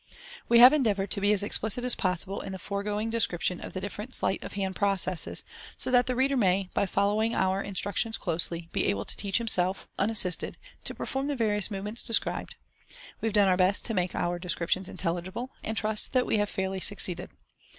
We have endeavoured to be as explicit as possible in the foregoing description of the different sleight of hand processes, so that the reader may, by following our instructions closely, be able to teach himself, unassisted, to perform the various movements described. We have done our best to make our descriptions intelligible, and trust that we have fairly succeeded.